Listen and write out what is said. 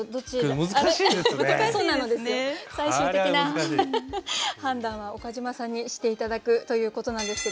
最終的な判断は岡島さんにして頂くということなんですけど。